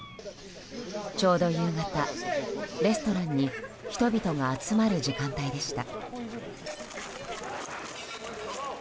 ちょうど夕方、レストランに人々が集まる時間帯でした。